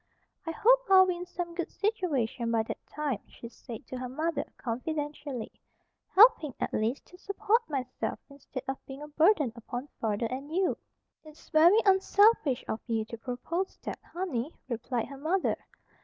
"I hope I'll be in some good situation by that time," she said to her mother, confidentially, "helping, at least, to support myself instead of being a burden upon father and you." "It's very unselfish of you to propose that, honey," replied her mother.